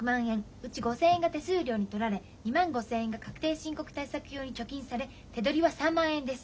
うち５，０００円が手数料に取られ２万５，０００円が確定申告対策用に貯金され手取りは３万円です。